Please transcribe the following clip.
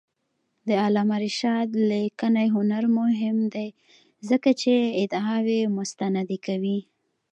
د علامه رشاد لیکنی هنر مهم دی ځکه چې ادعاوې مستندې کوي.